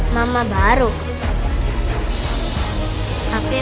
mama itu siapa